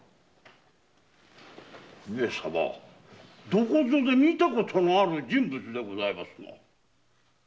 どこぞで見たことのある人物でございますな。